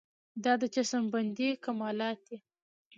دا د چشم بندۍ کمالات دي.